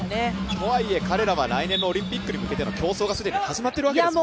とはいえ彼らは来年のオリンピックに向けての競争が既に始まっているわけですよね。